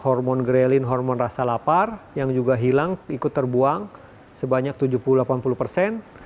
hormon grelin hormon rasa lapar yang juga hilang ikut terbuang sebanyak tujuh puluh delapan puluh persen